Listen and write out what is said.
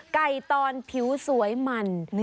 ตอนผิวสวยมัน